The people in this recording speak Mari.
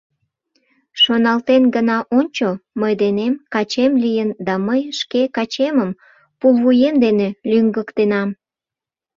— Шоналтен гына ончо: мый денем качем лийын да мый шке качемым пулвуем дене лӱҥгыктенам!